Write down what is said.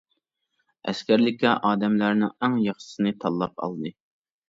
ئەسكەرلىككە ئادەملەرنىڭ ئەڭ ياخشىسىنى تاللاپ ئالدى.